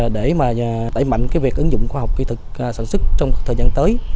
để đẩy mạnh việc ứng dụng khoa học kỹ thuật sản xuất trong thời gian tới